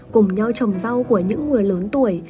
cùng nhau trồng rau của những người lớn tuổi